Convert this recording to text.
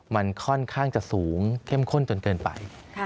มันค่อนข้างจะสูงเข้มข้นจนเกินไป